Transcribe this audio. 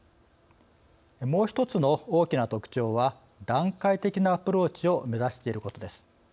もう一つの大きな特徴は段階的なアプローチを目指していることです。